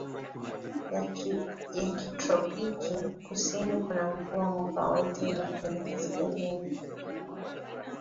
ya kitropiki Kusini kuna mvua mwaka wote lakini kaskazini